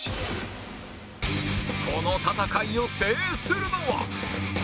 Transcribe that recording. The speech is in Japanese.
この戦いを制するのは！？